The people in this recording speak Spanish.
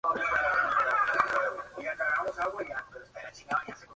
Provenía de una familia de terratenientes de Irlanda.